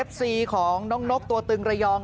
เอฟซีของนกตัวตึงระยอง